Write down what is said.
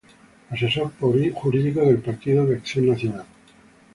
Asesor Jurídico del Partido Acción Nacional.